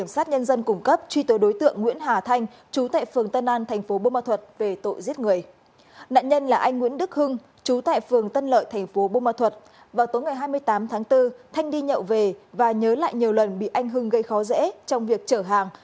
sau tối ngày hai mươi tám tháng bốn thanh đi nhậu về và nhớ lại nhiều lần bị anh hưng gây khó dễ trong việc chở hàng